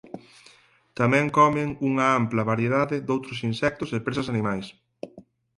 Tamén comen unha ampla variedade doutros insectos e presas animais.